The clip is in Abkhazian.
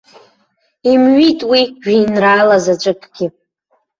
Имҩит уи жәеинраала заҵәыкгьы.